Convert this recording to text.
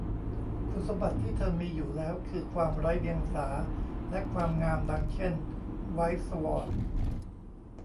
คุณสมบัติที่เธอมีอยู่แล้วคือความไร้เดียงสาและความงามดังเช่น ไวท์สวอน